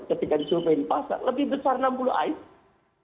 ketika disuruh main pasar lebih besar enam puluh item